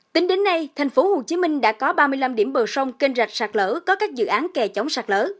tính đến nay tp hcm đã có ba mươi năm điểm bờ sông kênh rạch sạc lỡ có các dự án kè chống sạc lỡ